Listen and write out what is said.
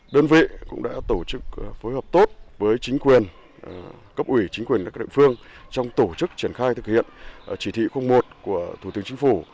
đơn vị cũng đã tổ chức phối hợp tốt với chính quyền cấp ủy chính quyền các địa phương trong tổ chức triển khai thực hiện chỉ thị một của thủ tướng chính phủ